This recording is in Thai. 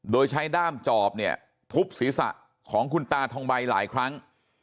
โดยใช้ด้ามจอบเนี่ยทุบศีรษะของคุณตาทองใบหลายครั้ง